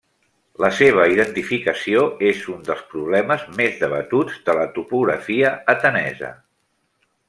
La seva identificació és un dels problemes més debatuts de la topografia atenesa.